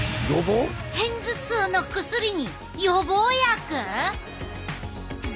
片頭痛の薬に予防薬！？